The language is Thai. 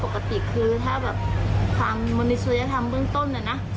เพราะว่าปกติคือถ้าแบบความมนิสัยธรรมเรื่องต้นเนี่ยนะ